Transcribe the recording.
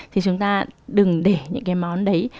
thì chúng ta đừng để những cái món đấy